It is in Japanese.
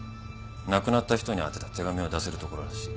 亡くなった人に宛てた手紙を出せる所らしい。